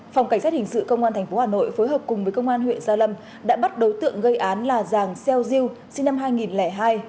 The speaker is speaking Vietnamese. phòng cảnh sát hình sự công an tp hà nội phối hợp cùng với công an huyện gia lâm đã bắt đối tượng gây án là giàng xeo diêu sinh năm hai nghìn hai